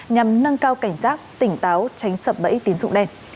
nhằm nâng cao cảnh sát tỉnh táo tránh sập bẫy tiến dụng đen